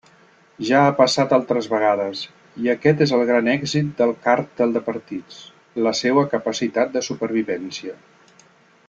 Ja ha passat altres vegades, i aquest és el gran èxit del càrtel de partits: la seua capacitat de supervivència.